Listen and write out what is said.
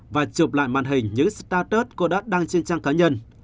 và chụp lại màn hình những status cô đã đăng trên trang cá nhân